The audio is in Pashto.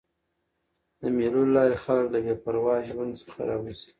د مېلو له لاري خلک له بې پروا ژوند څخه راوځي.